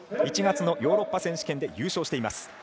１月のヨーロッパ選手権で優勝しています。